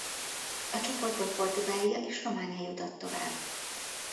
A csoportból Portugália és Románia jutott tovább.